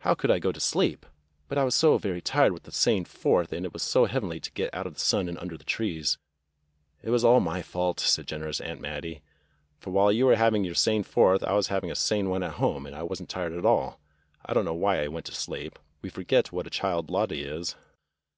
"How could I go to sleep! But I was so very tired with the sane Fourth, and it was so heavenly to get out of the sun and under the trees." It was all my fault," said generous Aunt Mattie, "for while you were having your sane Fourth I was having a safe one at home, and I was n't tired at all. I don't know why I went to sleep. We forget what a child Lottie is."